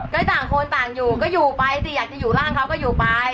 ก็ต่างคนต่างอยู่ก็อยู่ไปสิอยากจะอยู่ร่างเขาก็อยู่ไป